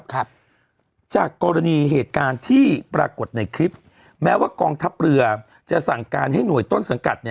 ครับจากกรณีเหตุการณ์ที่ปรากฏในคลิปแม้ว่ากองทัพเรือจะสั่งการให้หน่วยต้นสังกัด